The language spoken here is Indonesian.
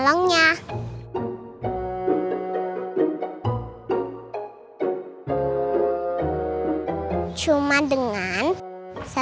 anli baik gak